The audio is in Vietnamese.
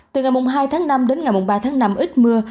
từ ngày mùng hai tháng năm đến ngày mùng ba tháng năm ít mưa